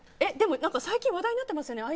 でも最近話題になってません？